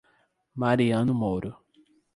Mariano Moro